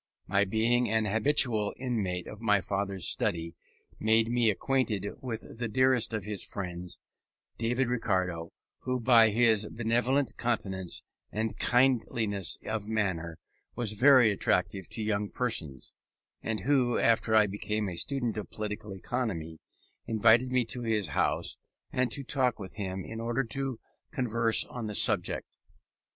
My being an habitual inmate of my father's study made me acquainted with the dearest of his friends, David Ricardo, who by his benevolent countenance, and kindliness of manner, was very attractive to young persons, and who, after I became a student of political economy, invited me to his house and to walk with him in order to converse on the subject.